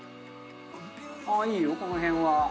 この辺は。